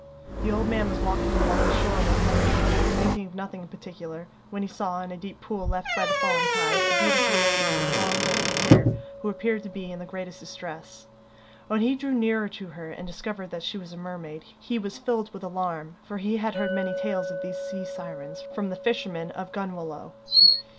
The old man was walking along the shore one summer evening, thinking of nothing in particular, when he saw, in a deep pool left by the falling tide, a beautiful lady with long golden hair who appeared to be in the greatest distress. When he drew nearer to her and discovered that she was a mermaid he was filled with alarm, for he had heard many tales of these sea sirens from the fishermen of Gunwalloe.